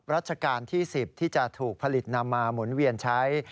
รัชกาลที่๑๐ที่จะถูกผลิตนำมาหมุนเวียนใช้